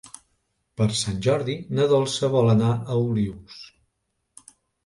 Per Sant Jordi na Dolça vol anar a Olius.